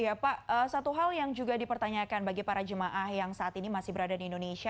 iya pak satu hal yang juga dipertanyakan bagi para jemaah yang saat ini masih berada di indonesia